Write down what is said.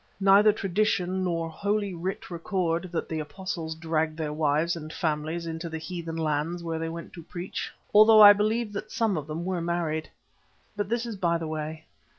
Neither tradition nor Holy Writ record that the Apostles dragged their wives and families into the heathen lands where they went to preach, although I believe that some of them were married. But this is by the way.